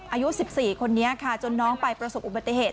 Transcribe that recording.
อายุ๑๔คนนี้ค่ะจนน้องไปประสบอุบัติเหตุ